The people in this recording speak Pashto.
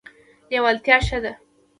لیوالتیا ښه ده.